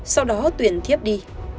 sau đó tuyền thiếp đi